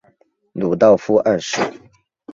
鲁道夫二世。